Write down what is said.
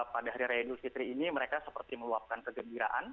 pada hari raya idul fitri ini mereka seperti meluapkan kegembiraan